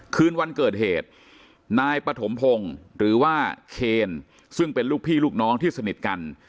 คืนวันเกิดเหตุนายปฐมพงศ์หรือว่าเคนซึ่งเป็นลูกพี่ลูกน้องที่สนิทกัน